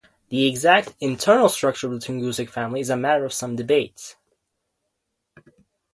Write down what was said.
The exact internal structure of the Tungusic family is a matter of some debate.